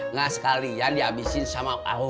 nggak sekalian dihabisin sama kakak